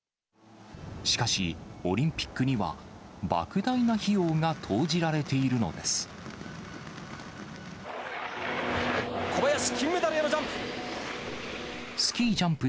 しかし、オリンピックには、ばく大な費用が投じられているの小林、金メダルへのジャンプ。